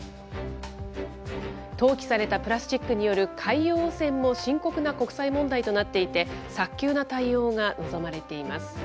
投棄されたプラスチックによる海洋汚染も深刻な国際問題となっていて、早急な対応が望まれています。